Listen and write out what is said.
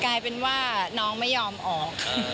กลายเป็นว่าน้องไม่ยอมออก